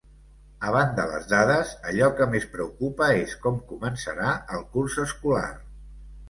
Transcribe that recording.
A banda les dades, allò que més preocupa és com començarà el curs escolar.